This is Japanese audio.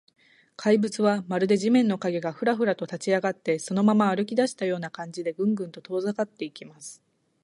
怪物は、まるで地面の影が、フラフラと立ちあがって、そのまま歩きだしたような感じで、グングンと遠ざかっていきます。